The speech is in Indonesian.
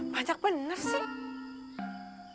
banyak bener sih